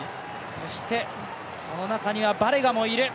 そしてその中にはバレガもいる。